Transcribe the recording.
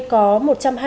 có tổ chức cá nhân